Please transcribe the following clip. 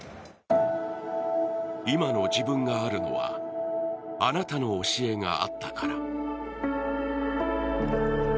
今の自分があるのはあなたの教えがあったから。